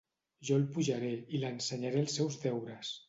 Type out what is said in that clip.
Jo el pujaré, i l'ensenyaré els seus deures.